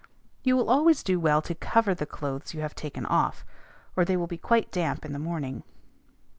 You will always do well to cover the clothes you have taken off, or they will be quite damp in the morning.